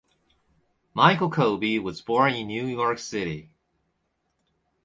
Michael Colby was born in New York City.